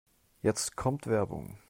Jetzt kommt Werbung.